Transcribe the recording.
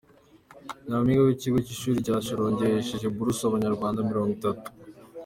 Nyaminga wikigo Kishuri Cyashyorongi yahesheje buruse Abanyarwanda Mirongo Itatu